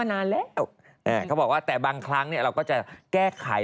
นานแล้วเขาบอกว่าแต่บางครั้งเนี่ยเราก็จะแก้ไข